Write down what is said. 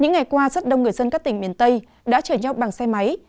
những ngày qua rất đông người dân các tỉnh miền tây đã chở nhau bằng xe máy